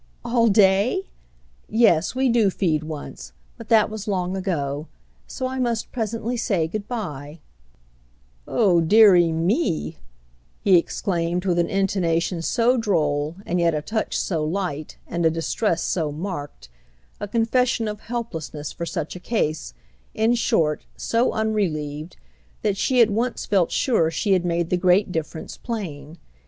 "All day? Yes, we do feed once. But that was long ago. So I must presently say good bye." "Oh deary me!" he exclaimed with an intonation so droll and yet a touch so light and a distress so marked—a confession of helplessness for such a case, in short, so unrelieved—that she at once felt sure she had made the great difference plain.